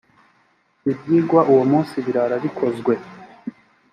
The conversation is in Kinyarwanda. ibyigwa uwo munsi birarabikozwe.